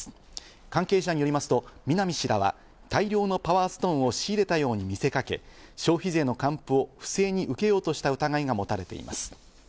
関係者によりますと南氏らは、大量のパワーストーンを仕入れたように見せかけ、消費税の還付を不正に受けようとした疑いが持たれています。